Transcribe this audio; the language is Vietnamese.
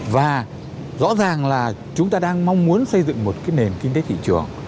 và rõ ràng là chúng ta đang mong muốn xây dựng một cái nền kinh tế thị trường